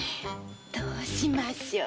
どうしましょう？